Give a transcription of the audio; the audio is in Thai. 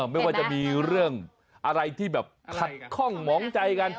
ไม่ว่าจะมีเรื่องอะไรที่แบบขัดข้องหมองใจกัน